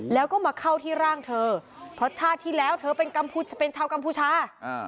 แล้วก็มาเข้าที่ร่างเธอเพราะชาติที่แล้วเธอเป็นกัมพูจะเป็นชาวกัมพูชา